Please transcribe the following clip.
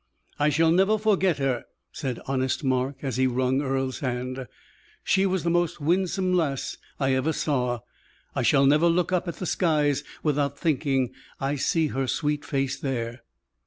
"I shall never forget her," said honest Mark, as he wrung Earle's hand; "she was the most winsome lass I ever saw; I shall never look up at the skies without thinking I see her sweet face there."